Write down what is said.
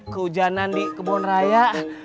keujanan di kebonraya